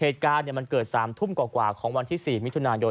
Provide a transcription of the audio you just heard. เหตุการณ์มันเกิด๓ทุ่มกว่าของวันที่๔มิถุนายน